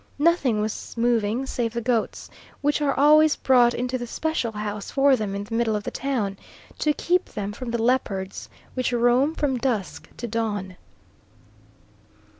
Nothing was moving save the goats, which are always brought into the special house for them in the middle of the town, to keep them from the leopards, which roam from dusk to dawn.